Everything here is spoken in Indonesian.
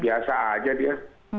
biasa aja dia